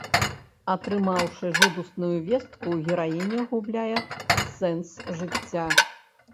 Атрымаўшы жудасную вестку, гераіня губляе сэнс жыцця.